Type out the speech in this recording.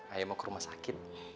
ayo mau ke rumah sakit